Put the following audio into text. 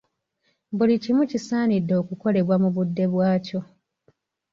Buli kimu kisaanidde okukolebwa mu budde bw’akyo.